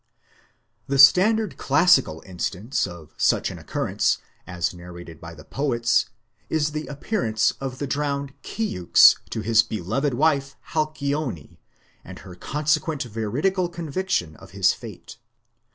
The standard classical instance of such an occurrence, as narrated by the poets, is the appearance of the drowned Ceyx to his beloved wife Alcyone, and her consequent veridical con viction of his fate.